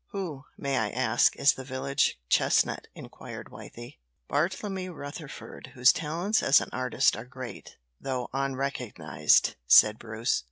"Who, may I ask, is the village chestnut?" inquired Wythie. "Bartlemy Rutherford, whose talents as an artist are great, though unrecognized," said Bruce.